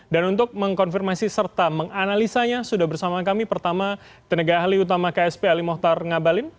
dan untuk mengkonfirmasi serta menganalisanya sudah bersama kami pertama tenaga ahli utama ksp ali mohtar ngabalin